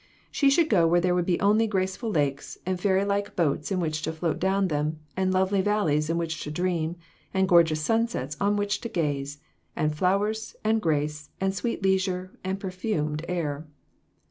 She should go where there would be only graceful lakes, and fairylike boats in which to float down them, and lovely valleys in which to dream, and gorgeous sunsets on which to gaze, and flowers, and grace, and sweet leisure, and per fumed air.